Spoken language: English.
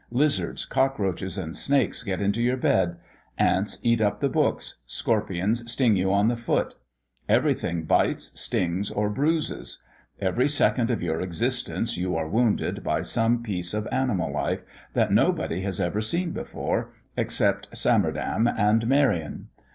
Lizards, cockroaches, and snakes get into your bed; ants eat up the books; scorpions sting you on the foot. Everything bites, stings, or bruises. Every second of your existence, you are wounded by some piece of animal life, that nobody has ever seen before, except Swammerdam and Merian.